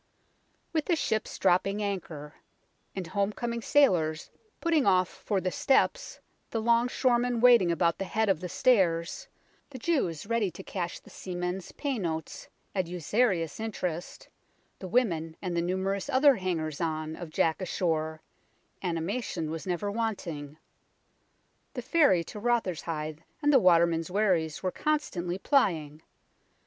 With the ships dropping anchor, and home coming sailors putting off for the steps, the long shoremen waiting about the head of the stairs, the Jews ready to cash the seamen's pay notes at usurious interest, the women and the numerous other hangers on of Jack ashore, animation was never wanting. The ferry to Rotherhithe and the watermen's wherries were constantly plying.